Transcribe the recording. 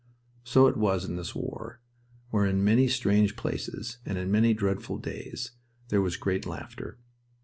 So it was in this war, where in many strange places and in many dreadful days there was great laughter.